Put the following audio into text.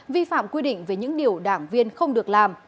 vi phạm quy định về những điều đảng viên không được làm